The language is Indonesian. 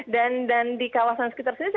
dan di kawasan sekitar sini